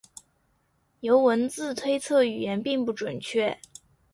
由文字推测语言并不准确。